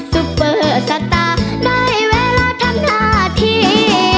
ซุปเปอร์สตาร์ได้เวลาทั้งนาที